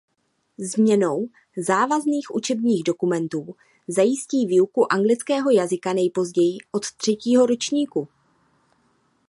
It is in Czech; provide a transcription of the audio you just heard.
Změnou závazných učebních dokumentů zajistí výuku anglického jazyka nejpozději od třetího ročníku.